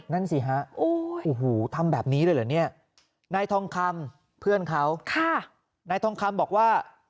นั่นสิฮะโอ้โหทำแบบนี้เลยเหรอเนี่ยนายทองคำเพื่อนเขานายทองคำบอกว่า